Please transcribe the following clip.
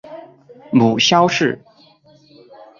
母萧氏。